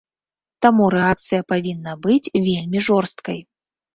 Таму рэакцыя павінна быць вельмі жорсткай.